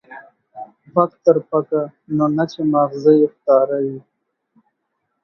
پک تر پکه، نو نه چې ما غزه يې ښکاره وي.